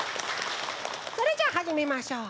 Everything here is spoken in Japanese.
それじゃあはじめましょう。